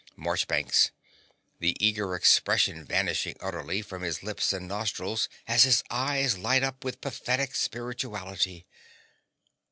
MARCHBANKS (the eager expression vanishing utterly from his lips and nostrils as his eyes light up with pathetic spirituality).